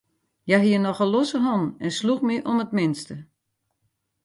Hja hie nochal losse hannen en sloech my om it minste.